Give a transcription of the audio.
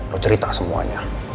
lo cerita semuanya